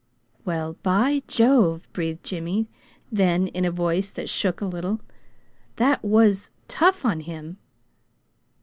"Well, by Jove!" breathed Jimmy, then, in a voice that shook a little, "That was tough on him!"